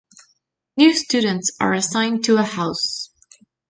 New students are assigned to a house.